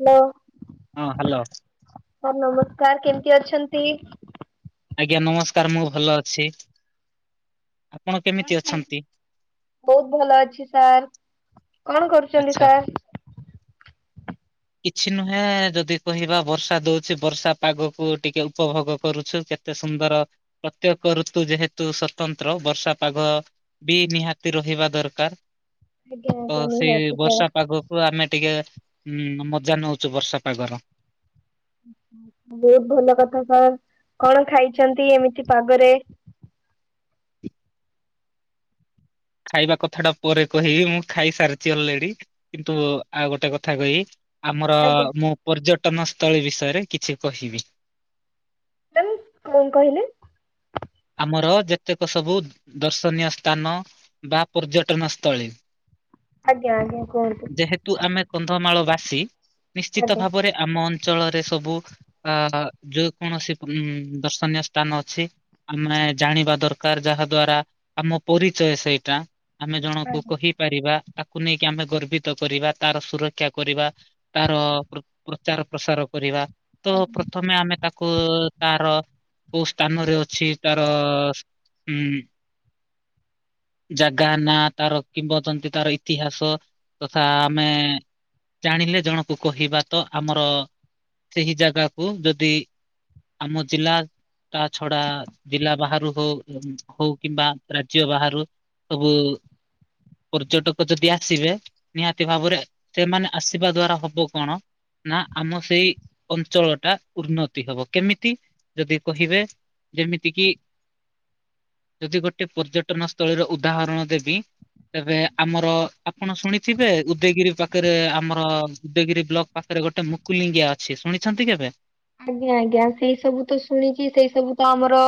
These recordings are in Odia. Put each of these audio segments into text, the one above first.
ହ୍ୟାଲୋ। ହଁ ହ୍ୟାଲୋ। ସାର୍ ନମସ୍କାର, କେମିତି ଅଛନ୍ତି? ଆଜ୍ଞା ନମସ୍କାର, ମୁଁ ଭଲ ଅଛି। ଆପଣ କେମିତି ଅଛନ୍ତି? ବହୁତ ଭଲ ଅଛି ସାର୍। କଣ କରୁଛନ୍ତି ଆଚ୍ଛା। ସାର୍? [inaudible] କିଛି ନୁହେଁ ଯଦି କହିବା ବର୍ଷା ଦଉଛି ବର୍ଷା ପାଗକୁ ଟିକେ ଉପଭୋଗ କରୁଛୁ, କେ ତେ ସୁନ୍ଦର, ପ୍ରତ୍ୟେକ ଋତୁ ଯେହେତୁ ସତନ୍ତ୍ର ବର୍ଷା ପାଗ ବି ନିହାତି ରହିବା ଦରକାର। ଆଜ୍ଞା ତ ଆଜ୍ଞା ସେଇ ନିହାତି ବର୍ଷା ସାର୍। ପାଗକୁ ଆମେ ଟିକେ ଉଁ ମଜା ନଉଛୁ ବର୍ଷା ପାଗର। ବହୁତ ଭଲ କଥା ସାର୍। କଣ ଖାଇଛନ୍ତି ଏମିତି ପାଗରେ? ଖାଇବା କଥାଟା ପରେ କହିବି, ମୁଁ ଖାଇସାରିଛି ଅଲରେଡି କିନ୍ତୁ ଆଉ ଗୋଟେ କଥା କହିବି। ଆମର ଆଜ୍ଞା ମୁଁ ପର୍ଯ୍ୟଟନସ୍ଥଳୀ ବିଷୟରେ କିଛି କହିବି। ଆଁ କଣ କହିଲେ? ଆମର ଯେତେକ ସବୁ ଦର୍ଶନୀୟ ସ୍ଥାନ ବା ପର୍ଯ୍ୟଟନ ସ୍ଥଳୀ। ଆଜ୍ଞା ଆଜ୍ଞା କୁହନ୍ତୁ। ତୁ ଆମେ କନ୍ଧମାଳ ବାସି ନିଶ୍ଚିତ ଆଜ୍ଞା ଭାବରେ ଆମ ଅଞ୍ଚଳରେ ସବୁ ଏ ଯେ କୌଣସି ଦର୍ଶନୀୟ ସ୍ଥାନ ଅଛି। ଆମେ ଜାଣିବା ଦରକାର ଯାହା ଦ୍ଵାରା ଆମ ପରିଚୟ ସେଇଟା ଆମେ ଜଣଙ୍କୁ ଆଜ୍ଞା। କହି ପାରିବା ତାକୁ ନେଇକି ଆମେ ଗର୍ବିତ କରିବା ତାର ସୁରକ୍ଷା କରିବା ତାର ପ୍ର-ପ୍ରଚାର ପ୍ରସାର କରିବା। ତ ପ୍ରଥମେ ଆମେ ତାକୁ ତାର କୋଉ ସ୍ଥାନରେ ଅଛି ତାର- ଉହୁଁ। ଜାଗା ନା ତାର କିମ୍ବନ୍ଦନ୍ତୀ ତାର ଇତିହାସ ତଥା ଆମେ ଜାଣିଲେ ଜଣକୁ କହିବା ତ ଆମର ସେହି ଜାଗାକୁ ଯଦି ଆମ ଜିଲ୍ଲା ତା ଛଡା ଜିଲ୍ଲା ବାହାରୁ ହଉ ହଉ କିମ୍ବା ରାଜ୍ୟ ବାହାରୁ ସବୁ ପର୍ଯ୍ୟଟକ ଯଦି ଆସିବେ ନିହାତି ଭାବରେ ସେମାନେ ଆସିବା ଦ୍ଵାରା ହବ କଣ ନା ଆମ ସେଇ ଅଞ୍ଚଳ ଟା ଉନ୍ନତି ହବ କେମିତି ଯଦି କହିବେ ଯେମିତି କିି ଯଦି ଗୋଟେ ପର୍ଯ୍ୟଟନ ସ୍ଥଳୀର ଉଦାହରଣ ଦେବି ତେବେ ଆମର ଆପଣ ଶୁଣିଥିବେ ଉଦୟଗିରି ପାଖରେ ଆମର ଉଦୟଗିରି ବ୍ଲକ୍ ପାଖରେ ଗୋଟେ ମୁକୁଲିଙ୍ଗିଆ ଅଛି ଶୁଣିଛନ୍ତି କେବେ? ଆଜ୍ଞା ଆଜ୍ଞା ସେଇ ସବୁ ତ ଶୁଣିଚି ସେଇ ସବୁ ତ ଆମର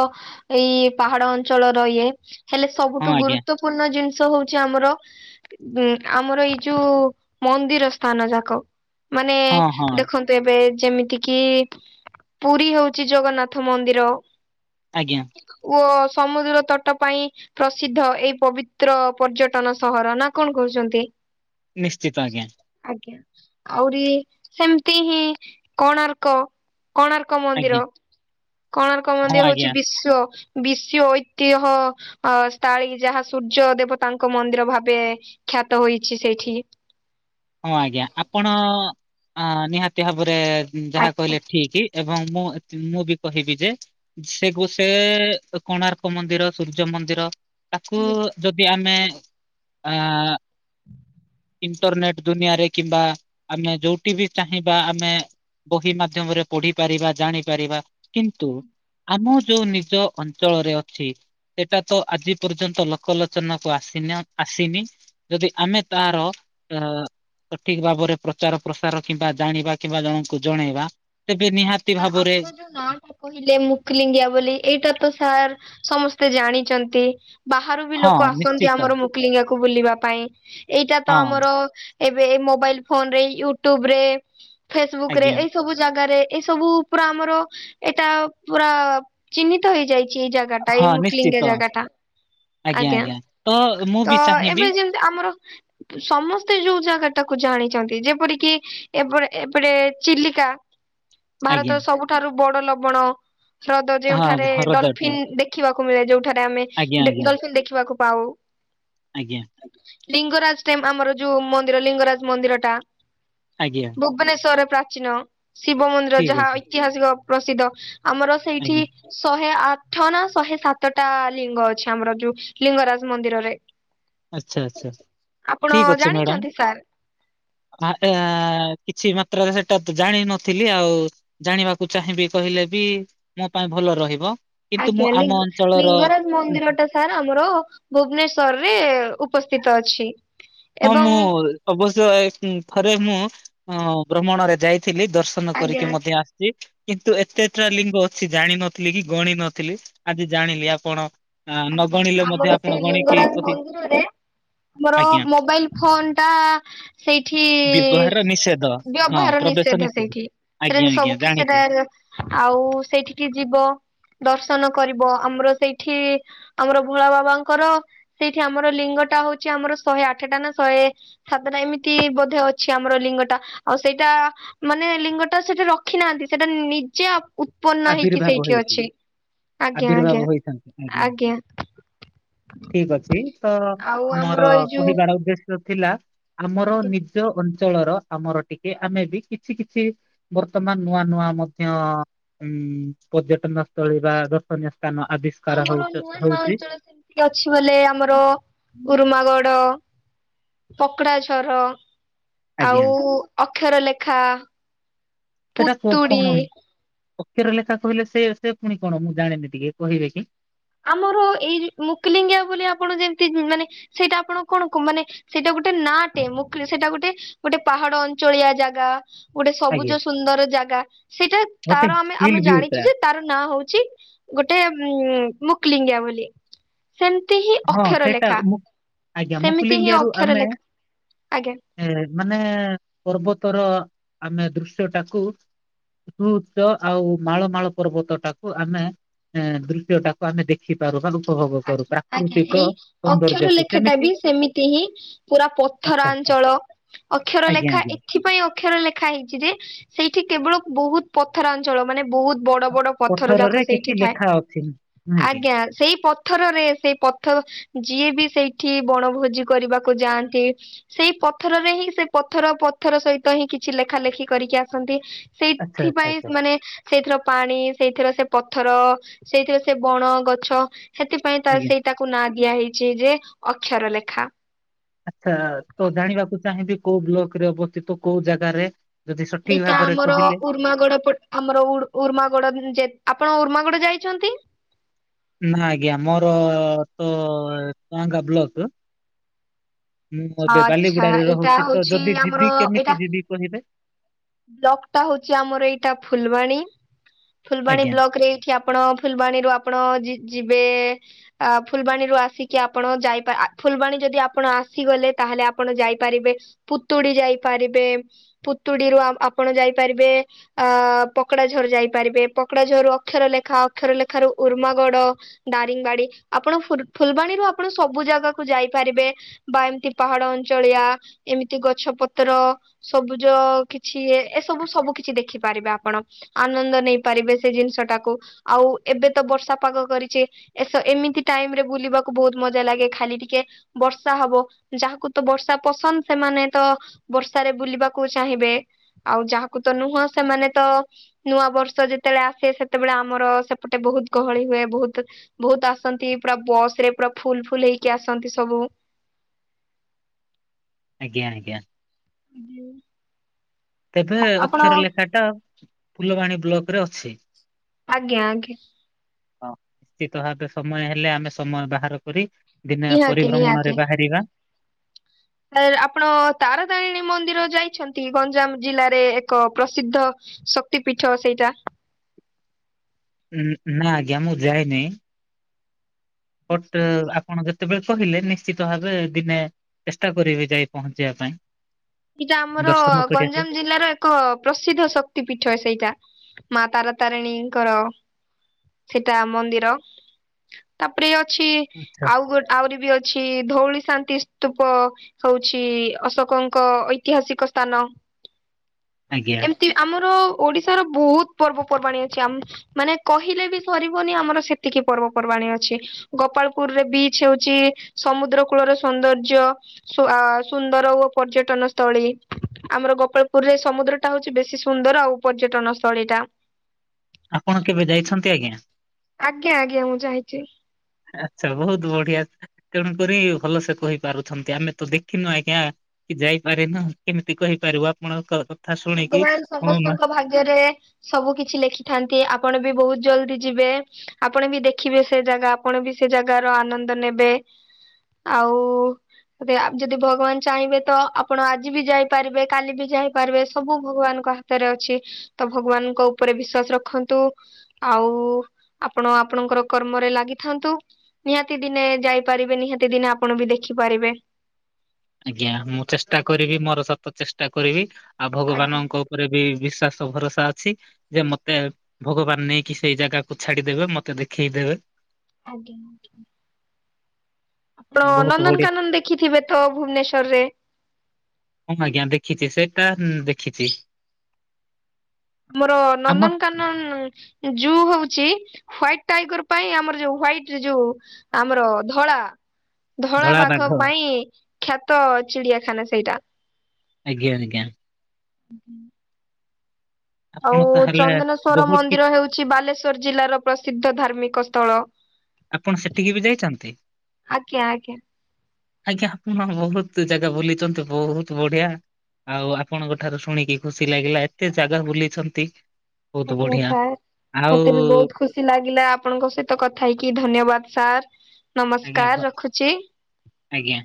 ଏଇ ପାହାଡ ଅଞ୍ଚଳର ଇଏ ହେଲେ ହଁ ସବୁଠୁ ଆଜ୍ଞା ଗୁରୁତ୍ୱ ପୂର୍ଣ୍ଣ ଜିନିଷ ହଉଚି ଆମର ଆମର ଏଇ ଯୋଉ ମନ୍ଦିର ସ୍ଥାନ ଯାକ। ମାନେ ହଁ ହଁ ଦେଖନ୍ତୁ ଏବେ ଯେମିତି କିି ପୁରୀ ହଉଚି ଜଗନ୍ନାଥ ମନ୍ଦିର ଆଜ୍ଞା। ଓ ସମୁଦ୍ର ତଟ ପାଇଁ ପ୍ରସିଦ୍ଧ ଏଇ ପବିତ୍ର ପର୍ଯ୍ୟଟନ ସହର ନା କଣ କହୁଚନ୍ତି? ନିଶ୍ଚିତ ଆଜ୍ଞା ଆଜ୍ଞା ଆହୁରି ହେମତି ହିଁ କୋଣାର୍କ କୋଣାର୍କ ଆଜ୍ଞା ମନ୍ଦିର। କୋଣାର୍କ ହଁ ମନ୍ଦିର ହଉଚି ଆଜ୍ଞା ବିଶ୍ଵ ବିଶଓଐତିହ୍ୟ ଅ ସ୍ଥାଳୀ ଯାହା ସୂର୍ଯ୍ୟ ଦେବତାଙ୍କ ମନ୍ଦିର ଭାବେ ଖ୍ୟାତ ହୋଇଛି ସେଇଠି। ହଁ ଆଜ୍ଞା ଆପଣ ଅ- ନିହାତି ଭାବରେ ଯାହା କହିଲେ ଆଜ୍ଞା। ଠିକି ଏବଂ ମୁଁ ମୁଁ ବି କହିବି ଯେ ସେ ଗୋ ସେ-କୋଣାର୍କ ମନ୍ଦିର ସୂର୍ଯ୍ୟ ମନ୍ଦିର ତାକୁ ଯଦି ଆମେ ଆ [unintelligible] ଇଣ୍ଟରନେଟ ଦୁନିଆରେ କିମ୍ବା ଆମେ ଯୋଉଟି ବି ଚାହିଁବା ଆମେ ବହି ମାଧ୍ୟମରେ ପଢିପାରିବା ଜାଣିପାରିବା କିନ୍ତୁ ଆମ ଯୋଉ ନିଜ ଅଞ୍ଚଳରେ ଅଛି ସେଇଟା ତ ଆଜି ପର୍ଯ୍ୟନ୍ତ ଲୋକଲୋଚନକୁ ଆସିନ ଆସିନି ଯଦି ଆମେ ତାର ଅ ସଠିକ ଭାବରେ ପ୍ରଚାର ପ୍ରସାର କିମ୍ବା ଜାଣିବା କିମ୍ବା ଜଣଙ୍କୁ ଜଣେଇବା ତେବେ ନିହାତି ଭାବରେ [unintelligible] କହିଲେ ମୁକ୍ଲିଙ୍ଗିଆ ବୋଲି ଏଇଟା ତ ସାର୍ ସମସ୍ତେ ଜାଣିଚନ୍ତି। ବାହାରୁ ବି ହଁ ଲୋକ ଆସନ୍ତି ନିଶ୍ଚିତ ଆମର ମୁକଲିଙ୍ଗାକୁ ବୁଲିବା ପାଇଁ ଏଇଟା ତ ହଁ ଆମର। ଏବେ ଏ ମୋବାଇଲ୍ ଫୋନ୍ ରେ ୟୁଟୁବ୍ ରେ ଫେସବୁକ୍ ରେ ଆଜ୍ଞା ଏଇ ସବୁ ଜାଗାରେ। ଏ ସବୁ ପୁରା ଆମର ଏଇଟା ପୁରା ଚିହ୍ନିତ ହେଇଯାଇଛି ଜାଗା। ଟା ଏଇ ହଁ ନିଶ୍ଚିତ ମୁକ୍ଲିଙ୍ଗ ଜାଗାଟା ଆଜ୍ଞା ତ ମୁଁ ତ ବି ଚାହିଁବି ଏବେ ଯେମ ଯେ ଆମର। ସମସ୍ତେ ଯୋଉ ଜାଗା ଟାକୁ ଜାଣିଛନ୍ତି ଯେପରିକି ଏପଟେ ଏପଟେ ଚିଲିକା। ଆଜ୍ଞା ଭାରତର ସବୁଠାରୁ ବଡ ଲବଣ। ହ୍ରଦ ହଁ ଯେଉଁଠାରେ ହ୍ରଦଟେ ଡଲଫିିନ ଦେଖିବାକୁ ମିଳେ ଯୋଉଠାରେ ଆମେ ଆଜ୍ଞା ଡେ ଆଜ୍ଞା ଡଲଫିନ ଦେଖିବାକୁ ପାଉ। ଆଜ୍ଞା। ଲିଙ୍ଗରାଜ ଟାଇମ୍ ଆମର ଯୋଉ ମନ୍ଦିର ଲିଙ୍ଗରାଜ ମନ୍ଦିରଟା। ଆଜ୍ଞା। ଭୁବନେଶ୍ୱରେ ପ୍ରାଚୀନ ଶିବ ମନ୍ଦିର ଠିକ୍ ଯାହା ଅଛି ଐତିହାସିକ ପ୍ରସିଦ୍ଧ ଆମର ସେଇଠି। ଆଜ୍ଞା ଶହେ ଆଠ ନା ଶହେ ସାତଟା ଲିଙ୍ଗ ଅଛି ଆମର ଯୋଉ। ଲିଙ୍ଗରାଜ ମନ୍ଦିରରେ ଆଚ୍ଛା ଆଚ୍ଛା ଆପଣ ଜାଣିଚନ୍ତି ସାର୍? ଫାଷ୍ଟ ଏରା କିଛି ମାତ୍ରାରେ ସେଟା ତ ଜାଣିିନଥିଲି ଆଉ। ଜାଣିବାକୁ ଚାହିଁବି କହିଲେ ବି ମୋ ପାଇଁ ଭଲ ରହିବ। କିନ୍ତୁ ମୁଁ ଆଜ୍ଞା ଆମ ଲିଙ୍ଗ ଅଞ୍ଚଳର ଲିଙ୍ଗରାଜ ମନ୍ଦିର ଟା ସାର୍ ଆମର ଭୁବନେଶ୍ଵରରେ। ଉପସ୍ଥିତ ଅଛି। ହଁ ଏବଂ ମୁଁ ଅବଶ୍ୟ ଏକ ଥରେ ମୁଁ ଅ ଭ୍ରମଣରେ ଯାଇଥିଲି ଦର୍ଶ ଶନ ଆଜ୍ଞା କରିକି ମଧ୍ୟ ଆସଚି କିନ୍ତୁ ଏତେଟା ଲିଙ୍ଗ ଅଛି ଜାଣିନଥିଲି କି ଗଣ ନଥିଲି। ଆଜି ଜାଣିଲି ଆପଣ। ଆ ନ ଗଣିଲେ ଆଜ୍ଞା ମଧ୍ୟ ଆମର ଆପଣ ସେ ଗଣିକି ଲିଙ୍ଗରାଜ କହି ମନ୍ଦିରରେ ଆମର ଆଜ୍ଞା। ମୋବାଇଲ୍। ଫୋନ୍ ଟା ସେଇଠି ବ୍ୟବହାର ନିଷେଧ ହଁ ବ୍ୟବହାର ପ୍ରବେଶ ନିଷେଧ ସେଇଠି। ସେଟା ଆଜ୍ଞା ଯେମତି ଆଜ୍ଞା ସବୁକି ଜାଣିଛି ସେଟା। ଆଉ ସେଇଠିକି ଯିବ ଦର୍ଶନ କରିବ ଆମର ସେଇଠି। ଆମର ଭୋଳା ବାବାଙ୍କର ସେଇଠି ଆମର ଲିଙ୍ଗଟା ହଉଛି ଆମର ଶହେ ଆଠଟା ନା ଶହେ। ସାତଟା ଏମିତି ବୋଧେ ଅଛି ଆମର ଲିଙ୍ଗ ଟା ଆଉ ସେଇଟା। ମାନେ ଲିଙ୍ଗଟା ସେଠେ ରଖିନାହାନ୍ତି ସେଟା ନିଜେ ଉତ୍ପନ୍ନ ହେଇକି ଆବିର୍ଭାବ ସେଇଠି ହେଇଛି ଅଛି ଆଜ୍ଞା ଆଜ୍ଞା। ହୁଁ ହୁଁ ଆଜ୍ଞା ଠିକ୍ ଅଛି ତ ଆଉ ମୋର ଆମର ଏଇ ଯୋଉ କହିବାର ଉଦ୍ଦେ ଶ୍ୟ ଥିଲା ଆମର ଆଜ୍ଞା ନି ଜ ଅଞ୍ଚଳର ଆମର ଟିକେ ଆମେ ବି କିଛି କିଛି ବର୍ତ୍ତମାନ ନୂଆ ନୂଆ ମଧ୍ୟ। ଉଁ ପର୍ଯ୍ୟଟନ ସ୍ଥଳୀ ବା ଦର୍ଶନୀୟ ସ୍ଥାନ ଆଦି। ଆମର ନୂଆ ନୂଆ ଅଞ୍ଚଳ ସେମିତି ଅଛି ବୋଲେ ଆମର ଉରୁମାଗଡ। ପକ୍ଡାଝର। ଆଉ ଆଜ୍ଞା। ଅକ୍ଷର ଲେଖା ସେଟା କ ପୁତୁଡ଼ି। କଣ ଅକ୍ଷର ଲେଖା କହିଲେ ସେ ସେ ପୁଣି କଣ ମୁଁ ଜାଣିନି ଟିକେ କହିବେ କି? ଆମର ଏଇ ମୁକୁଲିଙ୍ଗା ବୋଲି ଆପଣ ଯେମତି ମାନେ ସେଇଟା ଆପଣ କଣ କ ମାନେ। ସେଇଟା ଗୋଟେ ନାଁ ଟେ ମୁଖ ସେଇଟା ଗୋଟେ ଗୋଟେ ପାହାଡ ଅଞ୍ଚଳିଆ ଜାଗା। ଗୋଟେ ଆଜ୍ଞା ସବୁଜ ସୁନ୍ଦର ଜାଗା ସେଇଟା ଗୋଟେ ତାର ଆମେ ଆମେ ହିଲ୍ ଭିଉଟା ଜାଣିଛୁ ଯେ। ତାର ନାଁ ହଉଛି ଗୋଟେ ଉଁ ମୁକ୍ଲିଙ୍ଗିଆ ବୋଲି। ସେମତି ହିଁ ହଁ ଅକ୍ଷର ସେଇଟା ଲେଖା ମୁଁ ଆଜ୍ଞା ସେମିତି ହିଁ ମୁକୁଳିଙ୍ଗିଆରୁ ଅକ୍ଷର ଆମେ ଲେଖା। ଆଜ୍ଞା। ଏ ମାନେ ପର୍ବତର ଆମେ ଦୃଶ୍ୟ ଟାକୁ। ଦେଖୁଚ ଆଉ ମାଳମାଳ ପର୍ବତ ଟାକୁ ଆମେ ଦୃଶ୍ୟଟାକୁ ଆମେ ଦେ ଖିପାରୁ ବା [unintelligible] ଭୋଗ କରୁ ପା। ଆଜ୍ଞା ଆଜ୍ଞା ଏଇ ଅକ୍ଷର ଲେଖାଟା ବି ସେମିତି ହିଁ ପୁରା ଆଚ୍ଛା ଆଚ୍ଛା ପଥରାଞ୍ଚଳ ଅକ୍ଷର ଆଜ୍ଞା ଲେଖା ଆଜ୍ଞା ଇ ଏଥିପାଇଁ ଅକ୍ଷର ଲେଖା ହେଇଛି ଯେ ସେଇଠି କେବଳ ବହୁତ ପଥରା ଅଞ୍ଚଳ ମାନେ ବହୁତ ବଡ ବଡ ପଥର ଯାକ ପଥରରେ ସେଇଠି କିଛି ଥାଏ, ଲେଖା ଅଛି ନୁହେଁ କି ଆଜ୍ଞା ସେଇ ପ ଥରରେ ସେଇ ପଥର ଯିଏ ବି ସେଇଠି ବଣଭୋଜି କରିବାକୁ ଯାଆନ୍ତି ସେଇ ପଥରରେ ହିଁ ସେ ପଥର ପଥର ସହିତ ହିଁ କିଛି ଲେଖା ଲେଖି କରିକି ଆସନ୍ତି। ଆଚ୍ଛା ଆଚ୍ଛା ସେଇଥିପାଇଁ ଆଚ୍ଛା ମାନେ ସେଇଥିର ପାଣି ସେଇଥିର ସେ ପଥର-ଅ-ଅ-ଅ ସେଇଥିର ସେ ବଣ, ଗଛ ସେଥିପାଇଁ ତା ଆଜ୍ଞା ସେଇ ତାକୁ ନାଁ ଦିଆ ହେଇଛି ଯେ ଅକ୍ଷର ଲେଖା। ଆଚ୍ଛା-ଆ-ଆ-ଆ ତ ଜାଣିବାକୁ ଚାହିଁବି କୋଉ ବ୍ଲକ ରେ ଅବସ୍ଥିତ କୋଉ ଜାଗାରେ? ଯଦି ସଠିକ ଏଇଟା ଭାବରେ ଆମର କହିଲେ ଉର୍ମାଗଡ ପ ଆମର ଉଡ୍ ଉର୍ମାଗଡ ଯେ, ଆପଣ ଉର୍ମାଗଡ ଯାଇଛନ୍ତି? ନା ଆଜ୍ଞା ମୋର-ଅ-ଅ-ଅ ତ-ଅ-ଅ-ଅ ଟୁଆଁଙ୍ଗା ବ୍ଲକ ର। ମୁଁ ଏବେ ଆଚ୍ଛା ବାଲିଗୁଡାରେ ଏଇଟା ରହୁଛି, ତ ହଉଛି ଯଦି ଆମର ଯିବି ଏଇଟା କେମିତି ଯିବି କହିବେ? ବ୍ଲକ ଟା ହଉଛି ଆମର ଏଇଟା ଫୁଲବାଣୀ, ଫୁଲବାଣୀ ଆଜ୍ଞା ବ୍ଲକ ରେ କି ଆପଣ ଫୁଲବାଣୀରୁୁ ଆପଣ ଯି ଯିବେ-ଏ-ଏ-ଏ ଅ-ଅ ଫୁଲବାଣୀରୁ ଆସିକି ଆପଣ ଯାଇ ପା ଆ ଫୁଲବାଣୀ ଯଦି ଆପଣ ଆସିଗଲେ ତାହେଲେ ଆପଣ ଯାଇପାରିବେ। ପୁତୁଡି ଯାଇପାରିବେ ପୁତୁଡିରୁ ଆ ଆପଣ ଯାଇପାରିବେ ଆ-ଆ ପକଡା ଝର ଯାଇପାରିବେ, ପକଡା ଝରରୁ ଅକ୍ଷର ଲେଖା, ଅକ୍ଷର ଲେଖାରୁ ଉର୍ମାଗଡ। ଦାରିଙ୍ଗବାଡି ଆପଣ ଫୁଲବାଣୀରୁ ଆପଣ ସବୁ ଜାଗାକୁ ଯାଇପାରିବେ। ବା ଏମିତି ପାହାଡ ଅଞ୍ଚଳିଆ ଏମିତି ଗଛ ପତ୍ର ସବୁଜ-ଅ-ଅ କି ଛି ଏ ଏସବୁ ସବୁ କିଛି ଦେଖିପାରିବେ ଆପଣ। ଆନନ୍ଦ ନେଇ ପାରିବେ ସେ ଜିନିଷ ଟାକୁ ଆଉ ଏବେ ତ ବର୍ଷା ପାଗ କରିଛି। ଏସ ଏମିତି ଟାଇମ ରେ ବୁଲିବାକୁ ବହୁତ ମଜା ଲାଗେ ଖାଲି ଟିକେ ବର୍ଷା ହବ ଯାହାକୁ ତ ବର୍ଷା ପସନ୍ଦ ସେମାନେ ତ ବର୍ଷାରେ ବୁଲିବାକୁ ଚାହିଁବେ ଆଉ ଯାହାକୁ ତ ନୁହଁ ସେମାନେ ତ-ଅ ନୂଆ ବର୍ଷ ଯେତେବେଳେ ଆସେ ସେତେବେଳେ ଆମର ସେପଟେ ବହୁତ ଗହଳି ହୁଏ ବହୁତ ବହୁତ ଆସନ୍ତି ପୁରା ବସ୍ ରେ ପୁରା ଫୁଲ ଫୁଲ ହେଇକି ଆସନ୍ତି ସବୁ। ଆଜ୍ଞା ଆଜ୍ଞା। ତେବେ ଆପଣ ଅକ୍ଷର ଲେଖା ଟା ଫୁଲବାଣୀ ବ୍ଲକରେ ଅଛି? ଆଜ୍ଞା ଆଜ୍ଞା। ହଁ ନିଶ୍ଚିତ ଭାବେ ସମୟ ହେଲେ ଆମେ ସମୟ ବାହାର କରି ଦିନେ ନିହାତି ପରିଭ୍ରମଣରେ ବାହାରିବା। ହେଲେ ଆପଣ ତାରା ତାରିଣୀ ମନ୍ଦିର ଯାଇଛନ୍ତି ଗଞ୍ଜାମ ଜିଲ୍ଲାରେ ଏକ ପ୍ରସିଦ୍ଧ ଶକ୍ତି ପୀଠ ସେଇଟା। ହୁଁ ହୁଁ ନା ଆଜ୍ଞା ମୁଁ ଯାଏନି। ବଟ ଆପଣ ଯ [unintelligible] କହିଲେ ନିଶ୍ଚିତ ଭାବେ ଦିନେ ଚେଷ୍ଟା କରିବି ଯାଇ ପହଞ୍ଚିବା ପାଇଁ। ଏଟା ଦର୍ଶନ ଆମର-ଅ-ଅ କରିବା ପାଇଁ ଗଞ୍ଜାମ ଜିଲ୍ଲାର ଏକ୍ କ ପ୍ରସିଦ୍ଧ ଶକ୍ତି ପୀଠ ସେଇଟା ମା ତାରାତାରିଣୀଙ୍କର। ସେଟା ମନ୍ଦିର। ତାପରେ ଅଛି ଆଚ୍ଛା ଆଉ ଗୋ ଆହୁରି ବି ଅଛି-ଇ-ଇ ଧଉଳି ଶାନ୍ତି ସ୍ତୂପ ହଉଛି-ଇ-ଇ ଅଶୋକ ଙ୍କ ଏକ ଐତିହାସିକ ସ୍ଥାନ। ଆଜ୍ଞା। ନ୍ତି ଆମର ଓଡିଶାର ବହୁତ ପର୍ବପର୍ବାଣି ଅଛି ଆମ ମାନେ କହିଲେ ବି ସରିବନି ଆମର ସେତିକି ପର୍ବପର୍ବାଣୀ ଅଛି। ଗୋପାଳପୁରରେ ବିଚ ହଉଛି। ସମୁଦ୍ର କୂଳରେ ସୌନ୍ଦର୍ଯ୍ୟ। ସୁ ଆ ସୁନ୍ଦର ଓ ପର୍ଯ୍ୟଟନ ସ୍ଥଳୀ। ଆମର ଗୋପାଳପୁରରେ ସମୁଦ୍ର ଟା ହଉଛି ବେଶୀ ସୁନ୍ଦର ଆଉ ପର୍ଯ୍ୟଟନ ସ୍ଥଳୀ ଟା। ଆପଣ କେବେ ଯାଇଛନ୍ତି ଆଜ୍ଞା? ଆଜ୍ଞା ଆଜ୍ଞା! ମୁଁ ଯାଇଚି। ଆଚ୍ଛା ବହୁତ ବଢିଆ ତେଣୁକରି ଭଲ ସେ କହିପାରୁଛନ୍ତି ଆମେ ତ ଦେଖିନୁ ଆଜ୍ଞା। କି ଯାଇପାରେ ନା କେମିତି କହିପାରିବୁ ଆପଣ ଙ୍କ ଭଗବାନ ସମସ୍ତଙ୍କ ଭାଗ୍ୟରେ ସବୁ କିଛି ଲେଖିଥାନ୍ତି। ଆପଣ ବି ବହୁତ ଜଲଦି ଯିବେ। ଆପଣ ବି ଦେଖିବେ ସେ ଜାଗା। ଆପଣ ବି ସେ ଜାଗାର ଆନନ୍ଦ ନେବେ। ଆଉ ରେ ଯଦି ଭଗବାନ ଚାହିଁବେ ତ ଆପଣ ଆଜି ବି ଯାଇପାରିବେ କାଲି ବି ଯାଇପାରିବେ। ସବୁ ଭଗବାନଙ୍କ ହାତରେ ଅଛି ତ ଭଗବାନଙ୍କ ଉପରେ ବିଶ୍ଵାସ ରଖନ୍ତୁ। ଆଉ ଆପଣ ଆପଣଙ୍କର କର୍ମରେ ଲାଗିଥାନ୍ତୁ। ନିହାତି ଦିନେ ଯାଇପାରିବେନି ହେଟି ଦିନେ ଆପଣ ବି ଦେଖିପାରିବେ। ଆଜ୍ଞା! ମୁଁ ଚେଷ୍ଟା କରିବି ମୋର ସତ ଚେଷ୍ଟା କରିବି। ଆଉ ଆଜ୍ଞା ଭଗବାନଙ୍କ ଉପରେ ବି ବିଶ୍ଵାସ ଭରସା ଅଛି। ଯେ ମତେ ଭଗବାନ ନେଇକି ସେଇ ଜାଗାକୁ ଛାଡିଦେବେ। ମତେ ଦେଖେଇ ଦେବେ। ଆଜ୍ଞା। ତ ବହୁତ ବଢିଆ। ନନ୍ଦନକାନନ ଦେଖିଥିବେ ତ ଭୁବନେଶ୍ୱର ରେ? ହଁ ଆଜ୍ଞା ଦେଖିଚି ସେଇଟା ଦେଖିଚି। ଆମର ଆମ ନନ୍ଦନକାନନ ଜୁଉ ହଉଚି ହ୍ୱାଇଟି ଟାଇଗର ପାଇଁ ଆମର ଯୋଉ ହ୍ଵାଇଟ ରେ ଯୋଉ ଆମର ଧଳା ଧଳା ବାଘ ପାଇଁ ଖ୍ୟାତ ଚିଡିଆଖାନା ସେଇଟା। ଆଜ୍ଞା ଆଜ୍ଞା। [unintelligible] ଆପଣ ଆଉ ତାହେଲେ ଚନ୍ଦନେଶ୍ଵର ବହୁତ କି ମନ୍ଦିର ହେଉଛି ବାଲେଶ୍ଵର ଜିଲ୍ଲାର ପ୍ରସିଦ୍ଧ ଧାର୍ମିକ ସ୍ଥଳ। ଆପଣ ସେଠିକି ବି ଯାଇଚନ୍ତି? ଆଜ୍ଞା ଆଜ୍ଞା ଆଜ୍ଞା [unintelligible] ବହୁତ ଜାଗା ବୁଲିଛନ୍ତି ବହୁତ ବଢିଆ। ଆଉ ଆପଣଙ୍କ ଠାରୁ ଶୁଣିକି ଖୁସି ଲାଗିଲା ଏତେ ଜାଗା ବୁଲିଛନ୍ତି। ବହୁତ ଆଜ୍ଞା ବଢିଆ। ସାର୍! ଆଉ ମତେ ବି ବହୁତ ଖୁସି ଲାଗିଲା ଆପଣଙ୍କ ସହିତ କଥା ହେଇକି ଧନ୍ୟବାଦ ସାର୍ ଆଜ୍ଞା ନମସ୍କାର ରଖୁଚି। ଆଜ୍ଞା।